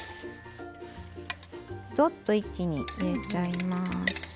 どっと一気に入れちゃいます。